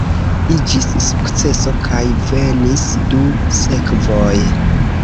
Iĝis sukceso kaj venis du sekvoj.